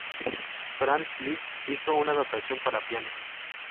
Franz Liszt hizo una adaptación para piano.